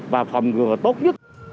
và phòng ngừa tốt nhất